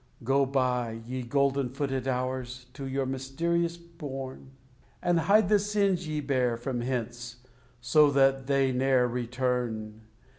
Go by, ye golden footed hours, to your mysterious bourne, And hide the sins ye bear from hence, so that they ne'er return.